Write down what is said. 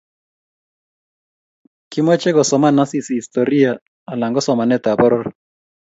Kimoche kosoman Asisi historia anan ko somanetab poror